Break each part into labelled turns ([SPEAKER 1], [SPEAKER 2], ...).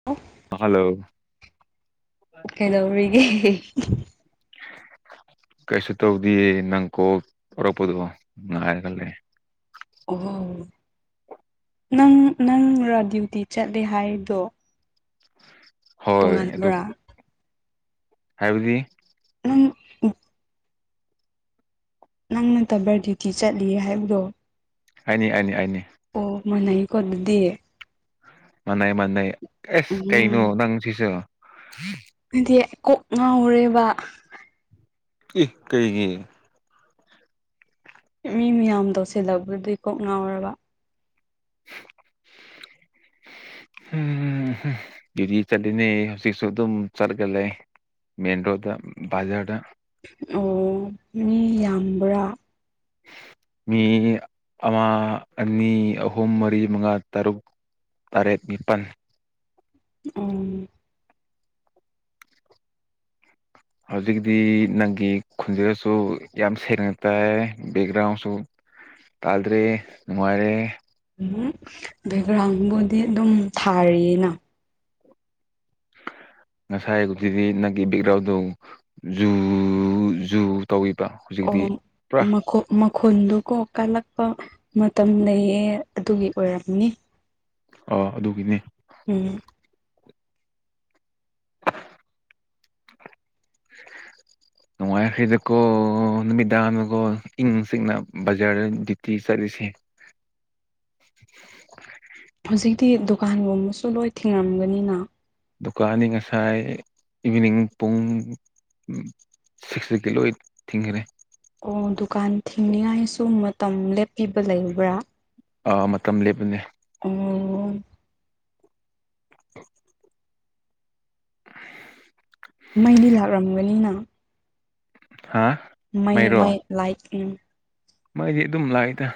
[SPEAKER 1] [unintelligible]
[SPEAKER 2] hello
[SPEAKER 1] ꯀꯩꯗꯧꯔꯤꯒꯦ
[SPEAKER 2] ꯀꯩꯁꯨ ꯇꯧꯗꯤꯌꯦ ꯅꯪ ꯀꯣꯜ ꯇꯧꯔꯛꯄꯗꯣ ꯉꯥꯏꯔꯒ ꯂꯩ
[SPEAKER 1] ꯑꯣꯍꯣ ꯅꯪ ꯅꯪꯔꯥ ꯗ꯭ꯌꯨꯇꯤ ꯆꯠꯂꯦ ꯍꯥꯏꯔꯤꯗꯣ
[SPEAKER 2] ꯍꯣꯏ ꯑꯗꯨ ꯍꯥꯏꯕꯗꯤ
[SPEAKER 1] ꯅꯪ ꯎꯞ ꯅꯪ ꯅꯠꯇꯕꯔ ꯗ꯭ꯌꯨꯇꯤ ꯆꯠꯂꯤ ꯍꯥꯏꯕꯗꯣ
[SPEAKER 2] ꯑꯩꯅꯤ ꯑꯩꯅꯤ ꯑꯩꯅꯤ
[SPEAKER 1] ꯑꯣ ꯃꯥꯟꯅꯩꯀꯣ ꯑꯗꯨꯗꯤ
[SPEAKER 2] ꯃꯥꯅꯩ ꯃꯥꯅꯩ ꯑꯦꯁ ꯀꯩꯅꯣ
[SPEAKER 1] ꯎꯝ
[SPEAKER 2] ꯅꯪ ꯁꯤꯁꯨ
[SPEAKER 1] ꯍꯥꯏꯗꯤ ꯀꯣꯛ ꯉꯥꯎꯔꯦꯕ
[SPEAKER 2] ꯏ ꯀꯩꯒꯤ
[SPEAKER 1] ꯃꯤ ꯃꯌꯥꯝ ꯇꯧꯁꯤꯜꯂꯛꯄꯗꯨꯏ ꯀꯣꯛ ꯉꯥꯎꯔꯕ [inaudible]
[SPEAKER 2] ꯎꯝ ꯍꯨꯝ ꯗ꯭ꯌꯨꯇꯤ ꯆꯠꯂꯤꯅꯦ ꯍꯧꯖꯤꯛꯁꯨ ꯑꯗꯨꯝ ꯆꯠꯂꯒ ꯂꯩ ꯃꯦꯟ ꯔꯣꯗ ꯕꯖꯥꯔꯗ
[SPEAKER 1] ꯑꯣ ꯃꯤ ꯌꯥꯝꯕ꯭ꯔꯥ
[SPEAKER 2] ꯃꯤ ꯑꯃ ꯑꯅꯤ ꯑꯍꯨꯝ ꯃꯔꯤ ꯃꯉꯥ ꯇꯔꯨꯛ ꯇꯔꯦꯠ ꯅꯤꯄꯜ
[SPEAKER 1] ꯑꯣ
[SPEAKER 2] ꯍꯧꯖꯤꯛꯇꯤ ꯅꯪꯒꯤ ꯈꯨꯟꯖꯦꯜꯁꯨ ꯌꯥꯝ ꯁꯦꯡꯅ ꯇꯥꯏꯑꯦ ꯕꯦꯛꯒ꯭ꯔꯥꯎꯟꯁꯨ ꯇꯗ꯭ꯔꯦ ꯅꯨꯡꯉꯥꯏꯔꯦ
[SPEAKER 1] ꯎꯝ ꯕꯦꯛꯒ꯭ꯔꯥꯎꯟꯕꯨꯗꯤ ꯑꯗꯨꯝ ꯊꯥꯔꯤꯑꯦꯅ
[SPEAKER 2] ꯉꯁꯥꯏꯕꯨꯗꯤ ꯅꯪꯒꯤ ꯕꯦꯛꯒ꯭ꯔꯥꯎꯟꯗꯣ ꯖꯨ ꯖꯨ ꯇꯧꯏꯋꯤꯕ ꯍꯧꯖꯤꯛ
[SPEAKER 1] ꯑꯣ ꯃꯥꯈꯣꯛ ꯃꯈꯣꯟꯜꯗꯨꯀꯣ ꯀꯜꯂꯛꯄ ꯃꯇꯝ ꯂꯩꯌꯦ ꯑꯗꯨꯒꯤ ꯑꯣꯏꯔꯝꯅꯤ
[SPEAKER 2] ꯑꯣ ꯑꯗꯨꯒꯤꯅꯦ
[SPEAKER 1] ꯎꯝ [inaudible]
[SPEAKER 2] ꯅꯨꯡꯉꯥꯏꯈꯔ꯭ꯦꯗꯀꯣ ꯅꯨꯃꯤꯗꯥꯡꯗꯀꯣ ꯏꯪꯅ ꯆꯤꯛꯅ ꯕꯖꯥꯔꯗ ꯗ꯭ꯌꯨꯇꯤ ꯆꯠꯂꯤꯁꯦ
[SPEAKER 1] ꯍꯧꯖꯤꯛꯇꯤ ꯗꯨꯀꯥꯟꯒꯨꯝꯕꯁꯨ ꯂꯣꯏ ꯊꯦꯡꯉꯝꯒꯅꯤꯅ
[SPEAKER 2] ꯗꯨꯀꯥꯟꯅꯤ ꯉꯁꯥꯏ ꯏꯚꯤꯅꯤꯡ ꯄꯨꯡ ꯁꯤꯛꯁꯇꯛꯇꯤ ꯂꯣꯏ ꯊꯤꯡꯒꯔꯦ
[SPEAKER 1] ꯑꯣ ꯗꯨꯀꯥꯟ ꯊꯤꯡꯅꯤꯡꯉꯥꯏꯁꯨ ꯃꯇꯝ ꯂꯦꯞꯄꯤꯕ ꯂꯩꯕ꯭ꯔꯥ
[SPEAKER 2] ꯑꯥꯎ ꯃꯇꯝ ꯂꯦꯞꯄꯤꯅꯦ
[SPEAKER 1] ꯑꯣ
[SPEAKER 2] [inaudible]
[SPEAKER 1] ꯃꯩꯗꯤ ꯂꯥꯛꯔꯝꯒꯅꯤꯅ
[SPEAKER 2] ꯍꯥꯥ
[SPEAKER 1] ꯃꯩ ꯃꯩ ꯂꯥꯏꯛ ꯎꯝ
[SPEAKER 2] ꯃꯩꯗꯤ ꯑꯗꯨꯝ ꯂꯥꯛꯏꯗ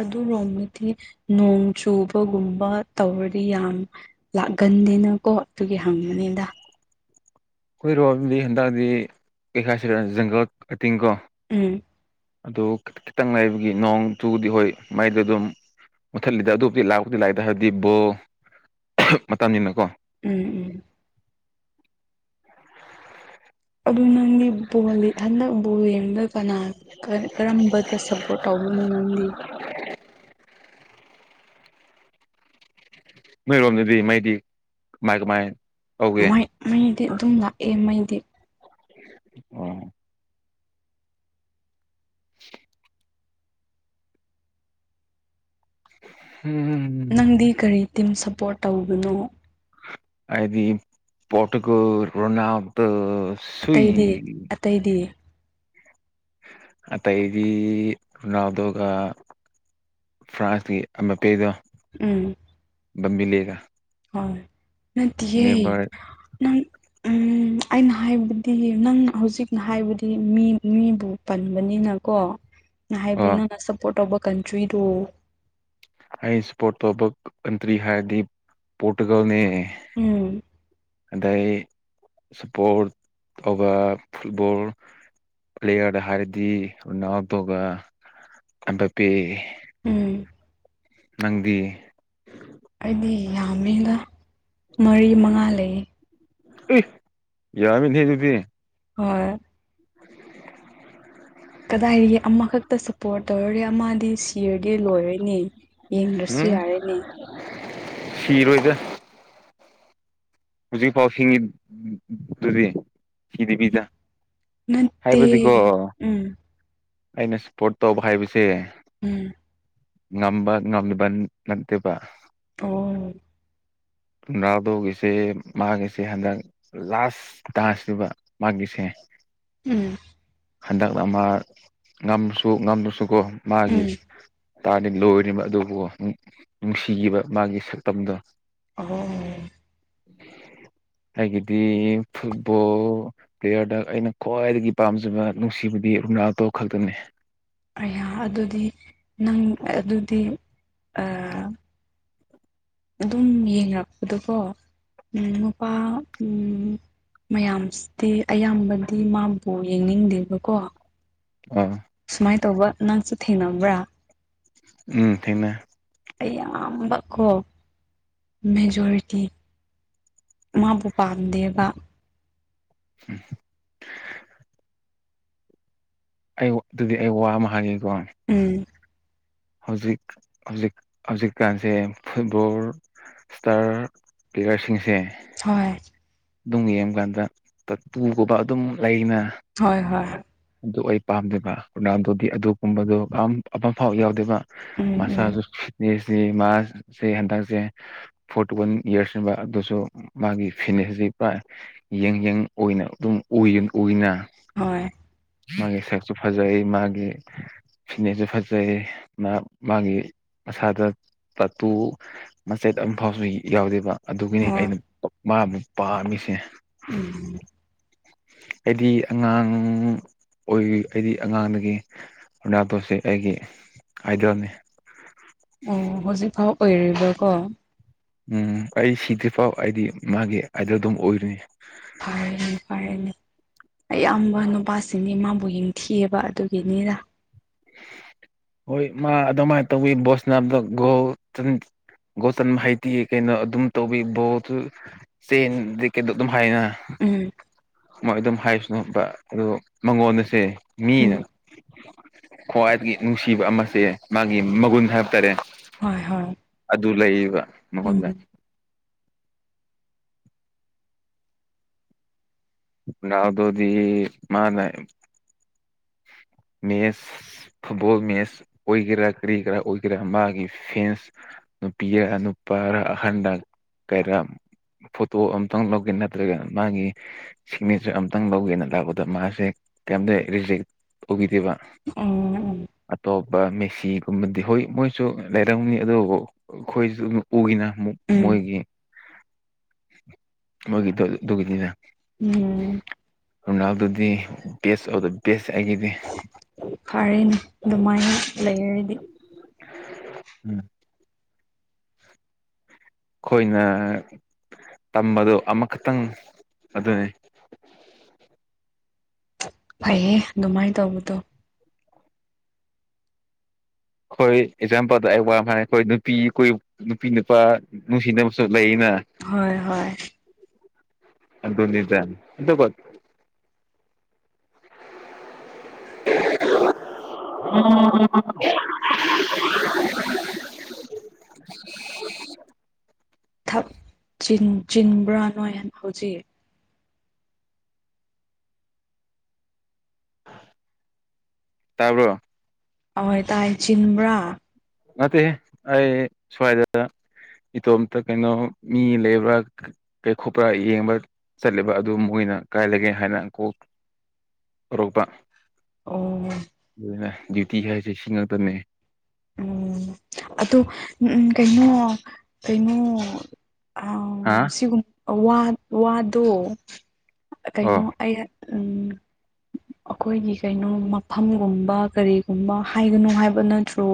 [SPEAKER 1] ꯑꯗꯨꯔꯣꯝꯗꯗꯤ ꯅꯣꯡ ꯆꯨꯕꯒꯨꯝꯕ ꯇꯧꯔꯗꯤ ꯌꯥꯝ ꯂꯥꯛꯒꯟꯗꯦꯅꯀꯣ ꯑꯗꯨꯒꯤ ꯍꯪꯕꯅꯤꯗ
[SPEAKER 2] ꯑꯩꯈꯣꯏꯔꯣꯝꯗꯤ ꯍꯟꯗꯛꯗꯤ ꯀꯩꯈꯥꯁꯤꯔ ꯖꯪꯒꯜ ꯀꯇꯤꯡ ꯀꯣ
[SPEAKER 1] ꯎꯝ
[SPEAKER 2] ꯑꯗꯨ ꯈꯤ ꯈꯤꯇꯪ ꯂꯩꯥꯕꯒꯤ ꯅꯣꯡ ꯆꯨꯗꯤ ꯍꯣꯏ ꯃꯩꯗꯨ ꯑꯗꯨꯝ ꯃꯨꯠꯊꯠꯂꯤꯗ ꯑꯗꯨꯕꯨꯗꯤ ꯂꯥꯛꯄꯗꯤ ꯂꯥꯛꯏꯗ ꯍꯥꯏꯗꯤ ꯕꯣ ꯃꯇꯝꯅꯤꯅ ꯀꯣ
[SPEAKER 1] ꯎꯝ ꯎꯝ ꯑꯗꯨ ꯅꯪꯒꯤ ꯕꯣꯜ ꯍꯟꯗꯛ ꯕꯣꯜ ꯌꯦꯡꯕꯗ ꯀꯅꯥ ꯀ ꯀꯔꯝꯕꯇ ꯁꯄꯣ ꯑ ꯅꯗꯤ
[SPEAKER 2] ꯕꯂꯦ ꯃꯣꯏ ꯔꯣꯝꯗꯤ ꯃꯩꯗꯤ ꯃꯥꯥꯏꯒ ꯃꯥꯏ
[SPEAKER 1] ꯃꯥꯏ ꯃꯩꯗꯤ ꯑꯗꯨꯝ ꯂꯥꯛꯑꯦ ꯃꯩꯗꯤ
[SPEAKER 2] ꯎ ꯎꯝꯝ
[SPEAKER 1] ꯅꯪꯗꯤ ꯀꯔꯤ ꯇꯤꯝ ꯁꯞꯄꯣꯔꯠ ꯇꯧꯕꯅꯣ
[SPEAKER 2] ꯑꯩꯗꯤ ꯄꯣꯠ ꯀ ꯔꯅꯥꯗ
[SPEAKER 1] ꯑꯇꯩꯗꯤ ꯑꯇꯩꯗꯤ
[SPEAKER 2] ꯑ ꯇ ꯏ ꯅꯎꯗꯣꯒ ꯐ꯭ꯔꯥꯟꯁꯀꯤ ꯑꯃ ꯃꯄꯦꯗꯣ
[SPEAKER 1] ꯎꯝ
[SPEAKER 2] ꯝꯃꯤ ꯂꯩꯔ
[SPEAKER 1] ꯍꯣꯏ ꯅ ꯊꯪ ꯎꯝ ꯑꯩꯅ ꯍꯥꯏꯕꯗꯤ ꯅꯪ ꯍꯧꯖꯤꯛꯅ ꯍꯥꯏꯕꯗꯤ ꯃꯤ ꯃꯤꯕꯨ ꯄꯟꯕꯅꯤꯅꯀꯣ ꯅ
[SPEAKER 2] ꯑꯣ
[SPEAKER 1] ꯍꯥꯏꯕꯅ ꯅ ꯁꯄꯣꯔꯠ ꯇꯧꯕ ꯀꯟꯇ꯭ꯔꯤꯗꯨ
[SPEAKER 2] ꯑ ꯁꯄꯣꯔꯣꯕ ꯀꯟꯇ꯭ꯔꯤ ꯍꯥꯏꯔꯗꯤ ꯄꯣꯔꯇꯨꯒꯜꯅꯦ
[SPEAKER 1] ꯎꯝ
[SPEAKER 2] ꯑꯗꯩ ꯁꯄꯣꯔꯠ ꯑꯣꯕ ꯐꯨꯠꯕꯜ ꯄ꯭ꯂꯦꯌꯔꯗ ꯍꯥꯏꯔꯗꯤ ꯎꯟ ꯑꯥꯎ ꯇꯒ ꯑꯕ ꯄꯦ
[SPEAKER 1] ꯎꯝ
[SPEAKER 2] ꯅꯪꯗꯤ
[SPEAKER 1] ꯑꯩꯗꯤ ꯌꯥꯝꯃꯦꯅ ꯃꯔꯤ ꯃꯉꯥ ꯂꯩꯌꯦ
[SPEAKER 2] ꯌꯥꯃꯤ ꯅꯨꯄꯤ
[SPEAKER 1] ꯍꯣꯏ
[SPEAKER 2] [unintelligible]
[SPEAKER 1] ꯀꯗꯥꯏꯗꯒꯤ ꯑꯃꯈꯛꯇ ꯁꯞꯄꯣꯔꯠ ꯇꯧꯔꯔꯦ ꯑꯃꯗꯤ ꯇꯤꯌꯔꯗꯤ ꯂꯣꯏꯔꯅꯦ ꯌꯦꯡꯗ꯭ꯔꯁꯨ ꯌꯥꯔꯅꯦ
[SPEAKER 2] ꯐꯤꯔ ꯑꯣꯏꯗ ꯍꯧꯖꯤꯛꯐꯥꯎ ꯁꯤꯡꯉꯤ ꯑꯗꯨꯗꯤ ꯀꯤꯗꯤ ꯄꯤꯗ
[SPEAKER 1] ꯅꯠꯇꯦ
[SPEAKER 2] ꯍꯥꯏꯕꯗꯤꯀꯣ
[SPEAKER 1] ꯎꯝ
[SPEAKER 2] ꯑꯩꯅ ꯁꯄꯣꯔꯠ ꯇꯧꯕ ꯍꯥꯏꯕꯁꯦ
[SPEAKER 1] ꯎꯝ
[SPEAKER 2] ꯉꯝꯕ ꯉꯝꯂꯤꯕ ꯅꯠꯇꯦꯕ
[SPEAKER 1] ꯑꯣ
[SPEAKER 2] ꯨꯝꯅꯥꯥꯗꯧꯒꯤꯁꯦ ꯃꯥꯒꯤꯁꯦ ꯍꯟꯗꯛ ꯂꯥꯁ ꯇꯥꯁꯤꯕ ꯃꯥꯒꯤꯁꯦ
[SPEAKER 1] ꯎꯝ
[SPEAKER 2] ꯍꯟꯗꯛꯅ ꯃꯥ ꯉꯝꯁꯨ ꯉꯝꯗ꯭ꯔꯁꯨꯀꯣ ꯃꯥꯒꯤ
[SPEAKER 1] ꯎꯝ
[SPEAKER 2] ꯇꯥꯔꯗꯤ ꯂꯣꯏꯔꯤꯕ ꯑꯗꯨꯕꯨ ꯅꯨꯡꯁꯤꯈꯤꯕ ꯃꯥꯒꯤ ꯁꯛꯇꯝꯗꯣ
[SPEAKER 1] ꯑꯣ [unintelligible]
[SPEAKER 2] ꯑꯩꯗꯒꯤꯗꯤ ꯐꯨꯠꯕꯣꯜ ꯄ꯭ꯂꯦꯌꯔꯗ ꯑꯩꯅ ꯈ꯭ꯋꯥꯏꯗꯒꯤ ꯄꯥꯝꯖꯕ ꯅꯨꯡꯁꯤꯕꯗꯤ ꯔꯨꯅꯥꯜꯗꯣ ꯈꯛꯇꯅꯤ
[SPEAKER 1] ꯌꯥ ꯑꯗꯨꯗꯤ ꯅꯪ ꯑꯗꯨꯗꯤ ꯑꯗꯨꯝ ꯌꯦꯡꯉꯛꯄꯗꯨꯀꯣ ꯎ ꯅꯨꯄꯥ ꯎ ꯃꯌꯥꯝꯁꯤꯗꯤ ꯑꯌꯥꯝꯕꯗꯤ ꯃꯥꯕꯨ ꯌꯦꯡꯅꯤꯡꯗꯦꯕꯀꯣ
[SPEAKER 2] ꯑꯥ
[SPEAKER 1] ꯁꯨꯃꯥꯏꯅ ꯇꯧꯕ ꯅꯪꯁꯨ ꯊꯦꯡꯅꯕ꯭ꯔꯥ
[SPEAKER 2] ꯎꯝ ꯊꯦꯡꯅꯩ
[SPEAKER 1] ꯑꯌꯥꯝꯕ ꯀꯣ ꯃꯦꯖꯣꯔꯤꯇꯤ ꯃꯥꯕꯨ ꯄꯥꯝꯗꯦꯕ
[SPEAKER 2] ꯎꯝ ꯑꯩ ꯑꯗꯨꯗꯤ ꯑꯩ ꯋꯥ ꯑꯃ ꯍꯥꯢꯒꯦꯀꯣ
[SPEAKER 1] ꯎꯝ
[SPEAKER 2] ꯍꯧꯖꯤꯛ ꯍꯧꯖꯤꯛ ꯍꯧꯖꯤꯛꯀꯥꯟꯁꯦ ꯐꯨꯠꯕꯣꯔ ꯏꯁꯇꯥꯔ ꯄ꯭ꯂꯦꯌꯥꯔꯁꯤꯡꯁꯦ
[SPEAKER 1] ꯍꯣꯢ
[SPEAKER 2] ꯑꯗꯨꯝ ꯌꯦꯡꯕꯀꯥꯟꯗ ꯄꯨꯨꯒꯨꯝꯕ ꯑꯗꯨꯝ ꯂꯩꯅ
[SPEAKER 1] ꯍꯣꯏ ꯍꯣꯏ
[SPEAKER 2] ꯑꯗꯨ ꯑꯩ ꯄꯥꯝꯗꯦꯕ ꯔꯣꯅꯥꯜꯗꯣꯗꯤ ꯑꯗꯨꯒꯨꯝꯕꯗꯨꯣ ꯑꯃ ꯐꯥꯎ ꯌꯥꯎꯗꯦꯕ
[SPEAKER 1] ꯎꯝ
[SPEAKER 2] ꯃꯁꯥꯁꯨ
[SPEAKER 1] ꯎꯝ
[SPEAKER 2] ꯐꯤꯠꯅꯦꯁꯅꯤ ꯃꯥꯁꯦ ꯍꯟꯗꯛꯁꯦ ꯐꯣꯔꯇꯤ ꯋꯥꯟ ꯏꯌꯔꯁ ꯅꯦꯕ ꯑꯗꯨꯁꯨ ꯃꯥꯒꯤ ꯐꯤꯅꯦꯁꯁꯤ ꯌꯦꯡ ꯌꯪ ꯑꯣꯏꯅ ꯑꯗꯨꯝ ꯎꯏ ꯎꯏꯅꯥ
[SPEAKER 1] ꯍꯣꯏ
[SPEAKER 2] ꯃꯥꯒꯤ ꯁꯛꯁꯨ ꯐꯖꯩ ꯃꯥꯒꯤ ꯁꯤꯅꯦꯁꯨ ꯐꯖꯩ ꯃꯥ ꯃꯥꯒꯤ ꯃꯁꯥꯗ ꯇꯠꯇꯨ ꯃꯆꯦꯠ ꯑꯝ ꯐꯥꯎꯁꯨ ꯌꯥꯎꯗꯦꯕ ꯑꯗꯨꯒꯤꯅꯤ
[SPEAKER 1] ꯍꯣꯏ
[SPEAKER 2] ꯑꯩꯅ ꯃꯥ ꯑꯃꯨꯛ ꯄꯥꯝꯃꯤꯁꯦ
[SPEAKER 1] ꯎꯝ
[SPEAKER 2] ꯑꯩꯗꯤ ꯑꯉꯥꯡ ꯑꯣꯏ ꯑꯩꯗꯤ ꯑꯉꯥꯡꯗꯒꯤ ꯔꯣꯅꯥꯇꯣꯁꯤ ꯑꯩꯒꯤ ꯑꯥꯏꯗꯦꯜꯅꯤ
[SPEAKER 1] ꯑꯣ ꯍꯧꯖꯤꯛ ꯐꯥꯎ ꯑꯣꯏꯔꯤꯕ꯭ꯔꯀꯣ
[SPEAKER 2] ꯎꯝ ꯑꯩ ꯁꯤꯗ꯭ꯔꯤ ꯐꯥꯎ ꯑꯩꯗꯤ ꯃꯥꯒꯤ ꯑꯩꯗꯦꯜ ꯑꯗꯨꯝ ꯑꯣꯏꯔꯅꯤ
[SPEAKER 1] ꯐꯔꯦꯅꯦ ꯐꯔꯦꯅꯦ ꯑꯌꯥꯝꯕ ꯅꯨꯄꯥꯁꯤꯡꯒꯤꯅꯤ ꯃꯥꯕꯨ ꯌꯦꯡꯊꯤꯑꯕ ꯑꯗꯨꯒꯤꯅꯤꯗ
[SPEAKER 2] ꯍꯣꯏ ꯃꯥ ꯑꯗꯨꯃꯥꯏꯅ ꯇꯧꯋꯤ ꯕꯣꯁꯅꯥꯗ ꯒꯣ ꯒꯣꯆꯟ ꯍꯥꯏꯇꯤ ꯀꯩꯅꯣ ꯑꯗꯨꯝ ꯇꯧꯕꯤꯕꯑꯣ ꯇꯦꯟꯗꯤ ꯀꯗꯣ ꯑꯗꯨꯝ ꯍꯥꯏꯅ
[SPEAKER 1] ꯎꯝ
[SPEAKER 2] ꯃꯣꯏ ꯑꯗꯨꯝ ꯍꯥꯏꯁꯅꯣ ꯑꯗꯨ ꯃꯉꯣꯟꯗꯁꯦ
[SPEAKER 1] ꯎꯝ
[SPEAKER 2] ꯃꯤꯅ ꯈ꯭ꯋꯥꯏꯗꯒꯤ ꯅꯨꯡꯁꯤꯕ ꯑꯃꯁꯦ ꯃꯥꯒꯤ ꯃꯒꯨꯟ ꯍꯥꯏꯕ ꯇꯥꯔꯦ
[SPEAKER 1] ꯍꯣꯏ ꯍꯣꯏ
[SPEAKER 2] ꯑꯗꯨꯂꯏꯕ ꯃꯉꯣꯟꯗ
[SPEAKER 1] ꯎꯝ
[SPEAKER 2] ꯔꯣꯅꯥꯜꯗꯣꯗꯤ ꯃꯥꯅ ꯃꯦꯁ ꯐꯨꯠꯕꯣꯜ ꯃꯦꯆ ꯑꯣꯏꯒꯦꯔꯥ ꯀꯔꯤ ꯀꯔꯥ ꯑꯣꯏꯒꯦꯔꯥ ꯃꯥꯒꯤ ꯐꯦꯟꯁ ꯅꯨꯄꯤ ꯅꯨꯄꯥꯔ ꯑꯍꯟꯗ ꯀꯔꯝ ꯐꯣꯇꯣ ꯑꯝꯇꯪ ꯂꯧꯒꯦ ꯅꯠꯇ꯭ꯔꯒꯅ ꯃꯥꯒꯤ ꯁꯤꯒꯅꯦꯆꯔ ꯑꯃꯇꯪ ꯂꯧꯒꯦꯅ ꯂꯥꯛꯄꯗ ꯃꯥꯁꯦ ꯀꯩꯝꯇ ꯔꯤꯖꯦꯛ ꯑꯣꯢꯗꯦꯕ
[SPEAKER 1] ꯎꯝ ꯎꯝ
[SPEAKER 2] ꯑꯇꯣꯞꯄ ꯃꯦꯁꯤꯒꯨꯝꯕꯗꯤ ꯍꯣꯏ ꯃꯣꯏꯁꯨ ꯂꯩꯔꯝꯅꯤ ꯑꯗꯨꯕꯨ ꯑꯩꯈꯣꯏꯁꯨ ꯑꯗꯨ ꯎꯒꯤꯅ
[SPEAKER 1] ꯎꯝ
[SPEAKER 2] ꯃꯣꯏꯒꯤ
[SPEAKER 1] [unintelligible] [unintelligible]
[SPEAKER 2] ꯃꯣꯢꯒꯤꯗꯣ ꯑꯗꯨꯒꯤꯗꯤꯅꯦ
[SPEAKER 1] ꯎꯝ
[SPEAKER 2] ꯔꯣꯅꯥꯗꯣꯗꯨꯗꯤ ꯕꯦꯁ ꯑꯣꯐ ꯗꯤ ꯕꯦꯁ ꯑꯩꯒꯤꯗꯤ
[SPEAKER 1] ꯐꯔꯅꯦ ꯑꯗꯨꯃꯥꯏꯅ ꯂꯩꯔꯗꯤ
[SPEAKER 2] ꯎꯝ [unintelligible] ꯑꯩꯈꯣꯏꯅ ꯇꯝꯕꯗꯣ ꯑꯃꯈꯛꯇꯪ ꯑꯗꯨꯅꯤ
[SPEAKER 1] ꯐꯩꯌꯦꯦ ꯑꯗꯨꯃꯥꯏꯅ ꯇꯧꯕꯗꯣ
[SPEAKER 2] ꯑꯩꯈꯣꯏ ꯑꯦꯛꯖꯥꯝꯄꯜꯗ ꯑꯩ ꯋꯥ ꯍꯥꯏꯔꯦ ꯑꯩꯈꯣꯏ ꯅꯨꯄꯤ ꯅꯨꯄꯤ ꯅꯨꯄꯥ ꯅꯨꯡꯁꯤꯅꯕꯁꯨ ꯂꯩꯅ
[SPEAKER 1] ꯍꯣꯏ ꯍꯣꯏ
[SPEAKER 2] ꯑ ꯑꯗꯨꯗꯤ ꯇ ꯑꯗ ꯀ ꯎꯝ [unintelligible] ꯎꯝ ꯎꯝ
[SPEAKER 1] ꯊꯛ ꯆꯤꯟꯕ꯭ꯔꯥ ꯅꯣꯏ ꯍꯧꯖꯤꯛ
[SPEAKER 2] ꯇꯥꯕꯔ
[SPEAKER 1] ꯑꯣꯏ ꯇꯥꯏ ꯆꯤꯟꯕ꯭ꯔꯥ
[SPEAKER 2] ꯅꯠꯇꯦ ꯑꯩ ꯁ꯭ꯋꯥꯏꯗ ꯏꯇꯣꯝꯇ ꯀꯩꯅꯣ ꯃꯤ ꯂꯩꯕ꯭ꯔꯥ ꯀꯩꯈꯄ ꯌꯦꯡꯕ ꯆꯠꯂꯤꯕ ꯑꯗꯨ ꯃꯣꯏꯅ ꯀꯥꯏꯂꯒꯦ ꯍꯥꯏꯅ ꯀꯣꯛ ꯔꯨꯄꯥ
[SPEAKER 1] ꯑꯣ
[SPEAKER 2] ꯑꯗꯨꯅ ꯗ꯭ꯌꯨꯇꯤ ꯍꯥꯏꯁꯦ ꯁꯤ ꯉꯥꯛꯛꯇꯅꯦ
[SPEAKER 1] ꯎꯝ ꯑꯗꯣ ꯎꯝ ꯀꯩꯅꯩꯅꯣ ꯀꯩꯅꯩꯅꯣ ꯑ
[SPEAKER 2] ꯍꯥꯥ
[SPEAKER 1] ꯁꯤꯒꯨꯝ ꯋꯥꯗꯣ ꯀꯩꯅꯣ
[SPEAKER 2] ꯑꯣ
[SPEAKER 1] ꯑꯩ ꯎ ꯑꯩꯈꯣꯏꯒꯤ ꯀꯩꯅꯣ ꯃꯐꯝꯒꯨꯝꯕ ꯀꯔꯤꯒꯨꯝꯕ ꯍꯥꯏꯒꯅꯨ ꯍꯥꯏꯕ ꯅꯠꯇ꯭ꯔꯣ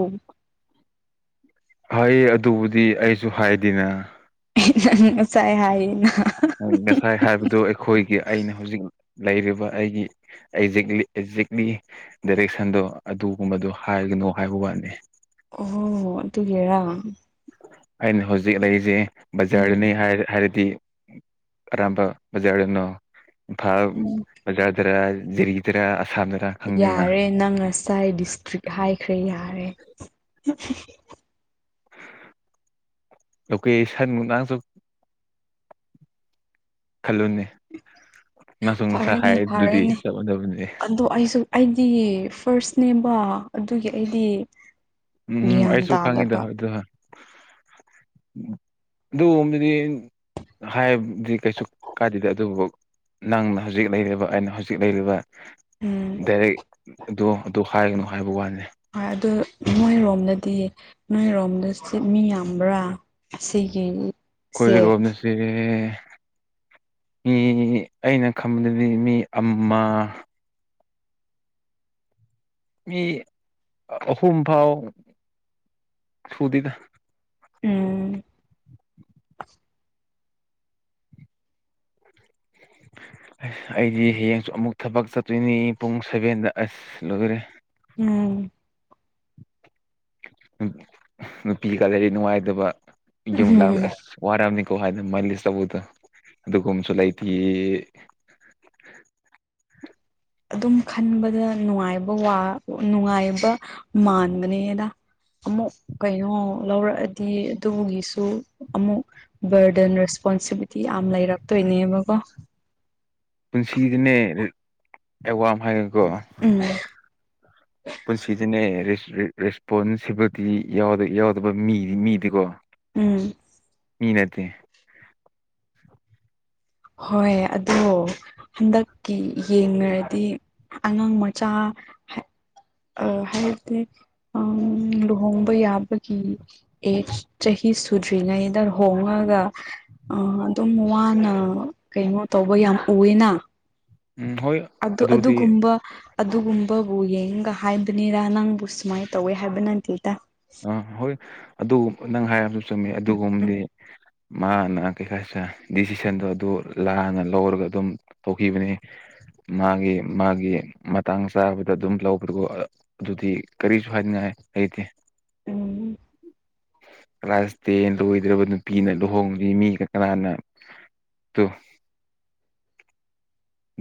[SPEAKER 2] ꯍꯥꯏꯌꯦ ꯑꯗꯨꯕꯨꯗꯤ ꯑꯩꯁꯨ ꯍꯥꯏꯗꯦꯅꯦ
[SPEAKER 1] ꯪ ꯆꯥꯏ ꯍꯥꯏꯅ
[SPEAKER 2] ꯉꯁꯥꯏ ꯍꯥꯏꯕꯗꯨ ꯑꯩꯈꯣꯏꯒꯤ ꯑꯩꯅ ꯍꯧꯖꯤꯛ ꯂꯩꯔꯤꯕ ꯑꯩꯒꯤ ꯑꯦꯛꯖꯦꯛꯂꯤ ꯑꯦꯛꯖꯦꯛꯂꯤ ꯗꯥꯏꯔꯦꯛꯁꯟꯗꯣ ꯑꯗꯨꯒꯨꯝꯕꯗꯣ ꯍꯥꯏꯔꯒꯅꯨ ꯍꯥꯏꯕ ꯋꯥꯠꯅꯤ
[SPEAKER 1] ꯑꯣ ꯑꯗꯨ ꯍꯦꯔꯥ
[SPEAKER 2] ꯑꯩꯅ ꯍꯧꯖꯤꯛ ꯂꯩꯔꯤꯁꯦ
[SPEAKER 1] ꯎꯝ
[SPEAKER 2] ꯕꯖꯥꯔꯗꯨꯅꯤ ꯍꯥꯏ ꯍꯥꯏꯔꯗꯤ ꯑꯔꯝꯕ ꯖꯥꯔꯅꯣ ꯏ ꯐꯥꯎꯖꯗꯔꯔꯤ ꯁꯤꯔ ꯑꯁꯥꯝꯗꯔ ꯈꯪꯗꯦꯅ
[SPEAKER 1] ꯌꯥꯔꯦ ꯅꯪ ꯉꯁꯥꯏ ꯗꯤꯁꯇ꯭ꯔꯤꯛ ꯍꯥꯏꯈ꯭ꯔꯦ ꯌꯥꯔꯦ
[SPEAKER 2] ꯂꯧꯀꯦ ꯁꯟ ꯃꯨꯛꯅꯥꯪꯁꯨ ꯈꯜꯂꯨꯅꯤ ꯑꯃꯁꯨꯡ ꯉ ꯁ
[SPEAKER 1] ꯐꯔꯦꯅꯦ
[SPEAKER 2] ꯍꯥꯏꯗꯨꯗꯤ
[SPEAKER 1] ꯐꯔꯦꯅꯦ
[SPEAKER 2] ꯆꯠꯂꯕꯅꯤ
[SPEAKER 1] ꯑꯗꯣ ꯑꯩꯁꯨ ꯑꯩꯗꯤ ꯐꯥꯔ꯭ꯁ ꯅꯦꯝꯕ ꯑꯗꯨꯒꯤ ꯑꯩꯗꯤ
[SPEAKER 2] ꯎꯝ
[SPEAKER 1] ꯒ꯭ꯌꯥꯟ
[SPEAKER 2] ꯑꯩꯁꯨ ꯈꯪꯉꯤꯗ
[SPEAKER 1] ꯇꯥꯗꯕ
[SPEAKER 2] ꯑꯗꯨꯕꯗꯤ ꯍꯥꯏꯕꯗꯤ ꯀꯩꯁꯨ ꯀꯥꯗꯦꯗꯦ ꯑꯗꯨꯕꯨ ꯅꯪꯅ ꯍꯧꯖꯤꯛ ꯂꯩꯔꯤꯕ ꯑꯩꯅ ꯍꯧꯖꯤꯛ ꯂꯩꯔꯤꯕ
[SPEAKER 1] ꯎꯝ
[SPEAKER 2] ꯗꯥꯏꯔꯦꯛ ꯑꯗꯨꯣ ꯑꯗꯨ ꯍꯥꯏꯒꯅꯨ ꯍꯥꯏꯕ ꯋꯥꯅꯤ
[SPEAKER 1] ꯍꯣꯏ ꯑꯗꯨ ꯃꯣꯏꯔꯣꯝꯅꯗꯤ ꯅꯣꯏꯔꯣꯝꯗ ꯃꯤ ꯌꯥꯝꯕ꯭ꯔꯥ ꯑꯁꯤꯒꯤ
[SPEAKER 2] ꯑꯩꯣꯏ ꯔꯣꯕ ꯅ ꯁꯤꯦ ꯃꯤ ꯑꯩꯅ ꯈꯟꯕꯗꯗꯤ ꯃꯤ ꯑꯃ ꯃꯤ ꯑꯍꯨꯝ ꯐꯥꯎ ꯁꯨꯗꯗ
[SPEAKER 1] ꯎꯝ
[SPEAKER 2] ꯑꯁ ꯑꯩꯗꯤ ꯍꯌꯦꯡꯁꯨ ꯑꯃꯨꯛ ꯊꯕꯛ ꯆꯠꯇꯣꯏꯅꯤ ꯄꯨꯡ ꯁꯦꯚꯦꯟꯗ ꯑꯁ ꯂꯣꯏꯔꯦ
[SPEAKER 1] ꯎꯝ
[SPEAKER 2] ꯅꯨꯄꯤꯒ ꯂꯩꯔꯤ ꯅꯨꯡꯉꯥꯏꯇꯕ ꯌꯨꯝꯂ
[SPEAKER 1] ꯎꯝ
[SPEAKER 2] ꯑꯁ ꯋꯥꯔꯔꯕꯅꯤꯀꯣ ꯍꯥꯏꯅ ꯃꯂꯤꯁꯇꯕꯨꯗꯣ ꯑꯗꯨꯒꯨꯝꯕꯁꯨ ꯂꯩꯥꯏꯇꯤ
[SPEAKER 1] ꯑꯗꯨꯝ ꯈꯟꯕꯗ ꯅꯨꯡꯉꯥꯏꯕ ꯅꯨꯡꯉꯥꯏꯕ ꯃꯥꯟꯕꯅꯦꯗ ꯑꯃꯨꯛ ꯀꯩꯅꯣ ꯂꯧꯔꯛꯑꯗꯤ ꯑꯗꯨꯒꯤꯁꯨ ꯑꯃꯨꯛ ꯕꯔꯗꯟ ꯔꯦꯁꯄꯣꯟꯁꯤꯕꯤꯂꯤꯇꯤ ꯌꯥꯝ ꯂꯩꯔꯛꯇꯣꯏꯅꯦꯕꯀꯣ
[SPEAKER 2] ꯄꯨꯟꯁꯤꯗꯅꯦ ꯑꯦꯋꯥꯝ ꯍꯥꯏꯒꯦꯀꯣ
[SPEAKER 1] ꯎꯝ
[SPEAKER 2] ꯄꯨꯟꯁꯤꯗꯅꯦ ꯔꯦꯁ ꯔꯦꯁꯄꯣꯟꯁꯤꯕꯜꯇꯤ ꯌꯥꯎꯗ ꯌꯥꯎꯗꯕ ꯃꯤꯗꯤ ꯃꯤꯗꯤꯀꯣ
[SPEAKER 1] ꯎꯝ
[SPEAKER 2] ꯃꯤꯅꯠꯇꯦ
[SPEAKER 1] ꯍꯣꯏ ꯑꯗꯣ ꯍꯟꯗꯛꯀꯤ ꯌꯦꯡꯅꯔꯗꯤ ꯑꯉꯥꯡ ꯃꯆꯥ ꯑ [inaudible] ꯑ ꯂꯨꯍꯣꯡꯕ ꯌꯥꯕꯒꯤ ꯑꯦ ꯆꯍꯤ ꯁꯨꯗ꯭ꯔꯤꯉꯩꯗ ꯂꯨꯍꯣꯡꯉꯒ ꯑ ꯑꯗꯨꯝ ꯋꯥꯅ ꯀꯩꯅꯣ ꯇꯧꯕ ꯌꯥꯝ ꯎꯏꯅ
[SPEAKER 2] ꯎꯝ ꯍꯣꯏ
[SPEAKER 1] ꯑꯗꯨ
[SPEAKER 2] ꯑꯗꯨꯗꯤ
[SPEAKER 1] ꯑꯗꯨꯒꯨꯝꯕ ꯑꯗꯨꯒꯨꯝꯕꯕꯨ ꯌꯦꯡꯒ ꯍꯥꯏꯕꯅꯤꯗꯥ ꯅꯪꯕꯨ ꯁꯨꯃꯥꯏꯅ ꯇꯧꯋꯦ ꯍꯥꯏꯕ ꯅꯇꯦꯗꯥ
[SPEAKER 2] ꯑꯥ ꯍꯣꯏ ꯑꯗꯨꯒꯨꯝ ꯅꯪ ꯍꯥꯏꯕꯁꯨ ꯆꯨꯝꯃꯤ ꯑꯗꯨꯒꯨꯝꯕꯗꯤ ꯃꯥꯅ ꯀꯩꯀꯥꯁꯤꯔꯥ ꯗꯤꯁꯤꯖꯟꯗꯣ ꯑꯗꯨ ꯂꯥꯟꯅ ꯂꯧꯔꯒ ꯑꯗꯨꯝ ꯇꯧꯈꯤꯕꯅꯤ ꯃꯥꯒꯤ ꯃꯥꯒꯤ ꯃꯇꯥꯡ ꯆꯥꯕꯗ ꯑꯗꯨꯝ ꯂꯧꯕꯗꯨꯀꯣ ꯑꯗꯨꯗꯤ ꯀꯔꯤꯁꯨ ꯍꯥꯏꯅꯤꯡꯉꯥꯏ ꯂꯩꯇꯦ
[SPEAKER 1] [unintelligible]
[SPEAKER 2] ꯀ꯭ꯂꯥꯁ ꯇꯦꯟ ꯂꯣꯏꯗ꯭ꯔꯕ ꯅꯨꯄꯤꯅ ꯂꯨꯍꯣꯡꯕꯗꯤ ꯃꯤꯒ ꯀꯅꯥꯅ ꯇꯨ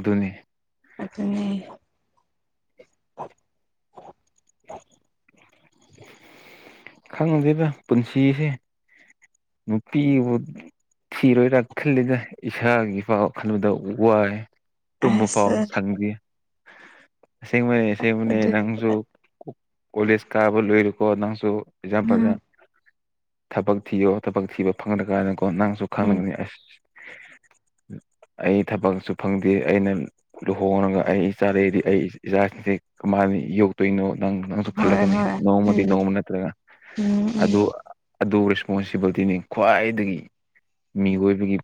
[SPEAKER 2] ꯗꯨꯅꯦ
[SPEAKER 1] ꯑꯗꯨꯅꯦ
[SPEAKER 2] ꯈꯪꯗꯦꯗ ꯄꯨꯟꯁꯤꯁꯦ ꯅꯨꯄꯤꯕꯨ ꯊꯤꯔꯣꯏꯔꯥ ꯈꯜꯂꯤꯗ ꯏꯁꯥꯒꯤꯐꯎ ꯈꯟꯕꯗ ꯋꯥꯏ ꯇꯨꯝꯕꯐꯥꯎ
[SPEAKER 1] ꯑꯁ
[SPEAKER 2] ꯁꯪꯗꯦ ꯑꯁꯦꯡꯕꯅꯦ ꯑꯁꯦꯡꯕꯅꯦ
[SPEAKER 1] ꯑꯗꯨꯗꯤ
[SPEAKER 2] ꯅꯪꯁꯨ ꯀꯣ ꯀꯣꯂꯦꯖ ꯀꯥꯕ ꯂꯣꯏꯔꯨꯀꯣ ꯅꯪꯁꯨ ꯑꯦꯛꯖꯥꯝꯄꯜꯗ
[SPEAKER 1] ꯎꯝ
[SPEAKER 2] ꯊꯕꯛ ꯊꯤꯌꯣ ꯊꯕꯛ ꯊꯤꯕ ꯐꯪꯗ꯭ꯔꯀꯥꯟꯗꯀꯣ ꯅꯪꯁꯨ
[SPEAKER 1] ꯎꯝ
[SPEAKER 2] [unintelligible] ꯑꯁ
[SPEAKER 1] [unintelligible]
[SPEAKER 2] ꯑꯩ ꯊꯕꯛꯁꯨ ꯐꯪꯗꯦ ꯑꯩꯅ ꯂꯨꯍꯣꯡꯂꯒ ꯑꯩ ꯏꯆꯥꯥ [unintelligible] ꯑꯩ ꯏꯆꯥꯁꯤꯡꯁꯦ ꯀꯃꯥꯏꯅ ꯌꯧꯇꯣꯏꯅꯣ ꯅꯪ
[SPEAKER 1] ꯍꯣꯏ
[SPEAKER 2] ꯈꯜꯂꯛꯀꯅꯤ
[SPEAKER 1] ꯍꯣꯏ
[SPEAKER 2] ꯅꯣꯡꯃꯗꯤ
[SPEAKER 1] ꯎꯝ
[SPEAKER 2] ꯅꯣꯡꯃ ꯅꯠꯇ꯭ꯔꯒ
[SPEAKER 1] ꯎꯝ ꯎꯝ
[SPEAKER 2] ꯑꯗꯨ ꯑꯗꯨ ꯔꯦꯁꯄꯣꯟꯁꯤꯕꯤꯂꯤꯇꯤꯅꯤ ꯈ꯭ꯋꯥꯏꯗꯒꯤ ꯃꯤꯑꯣꯏꯕꯒꯤ